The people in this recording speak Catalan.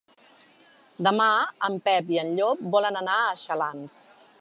Demà en Pep i en Llop volen anar a Xalans.